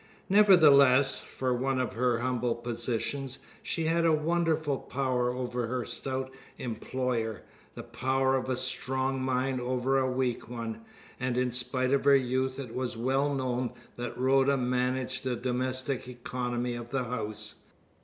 Nevertheless, for one of her humble position, she had a wonderful power over her stout employer, the power of a strong mind over a weak one, and in spite of her youth it was well known that Rhoda managed the domestic economy of the house.